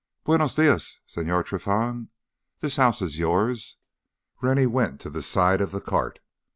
"Buenos dias, Señor Trinfan. This house is yours." Rennie went to the side of the cart.